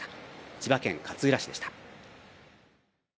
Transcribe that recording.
千葉県勝浦市でした。